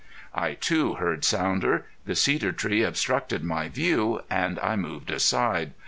I, too, heard Sounder. The cedar tree obstructed my view, and I moved aside.